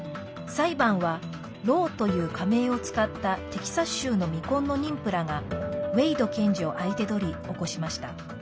裁判は、ローという仮名を使ったテキサス州の未婚の妊婦らがウェイド検事を相手取り起こしました。